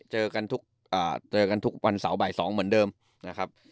เจอกันทุกเจอกันทุกวันเสาร์บ่าย๒เหมือนเดิมนะครับ